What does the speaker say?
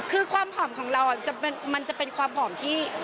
คือความหอมของเรามันจะเป็นความหอมที่